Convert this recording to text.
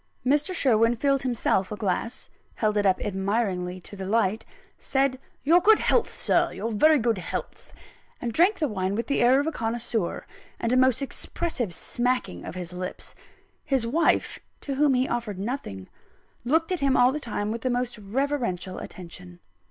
Mr. Sherwin filled himself a glass held it up admiringly to the light said, "Your good health, Sir, your very good health;" and drank the wine with the air of a connoisseur, and a most expressive smacking of the lips. His wife (to whom he offered nothing) looked at him all the time with the most reverential attention.